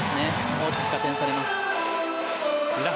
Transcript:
大きく加点されます。